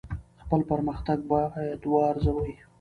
خپل پرمختګ باید وارزوئ.